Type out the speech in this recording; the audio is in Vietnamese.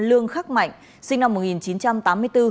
lương khắc mạnh sinh năm một nghìn chín trăm tám mươi bốn